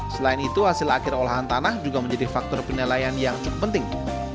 selain itu hasil akhir olahan tanah juga menjadi faktor penilaian yang cukup penting